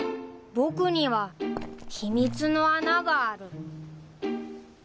僕には秘密の穴がある